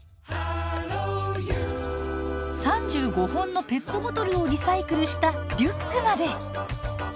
３５本のペットボトルをリサイクルしたリュックまで。